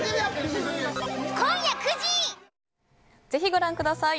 ぜひご覧ください。